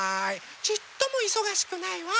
ちっともいそがしくないわ。